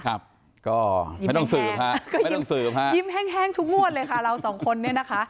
ก็ยิ้มแห้งทุกงวดเลยค่ะเราสองคนนี้นะคะ